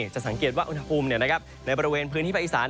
จะสังเกตว่าอุณหภูมิในบริเวณพื้นที่ภาคอีสาน